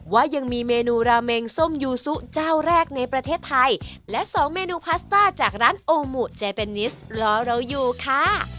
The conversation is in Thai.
ว่ายังมีเมนูราเมงส้มยูซุเจ้าแรกในประเทศไทยและสองเมนูพาสต้าจากร้านโอมูเจเปนิสรอเราอยู่ค่ะ